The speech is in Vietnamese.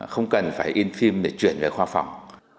không cần phải in phim để chuyển về khoa phòng